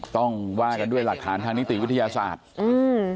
ต้องว่ากันด้วยหลักฐานทางนิติวิทยาศาสตร์อืม